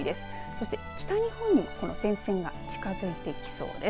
そして北日本に前線が近づいてきそうです。